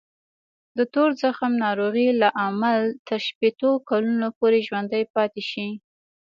د تور زخم ناروغۍ لامل تر شپېتو کلونو پورې ژوندی پاتې شي.